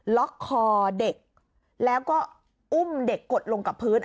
ล็อกคอเด็กแล้วก็อุ้มเด็กกดลงกับพื้น